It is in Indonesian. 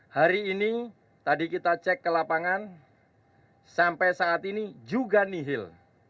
hari ini tadi kita cek ke lapangan sampai saat ini juga nihil